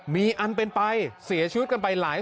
มีอันเป็นไปเสียชีวิตกันไปหลายคน